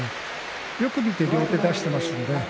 よく見て両手を出していますから。